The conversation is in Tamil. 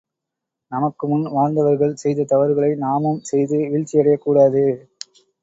நமக்கு முன் வாழ்ந்தவர்கள் செய்த தவறுகளை நாமும் செய்து வீழ்ச்சியடையக் கூடாது.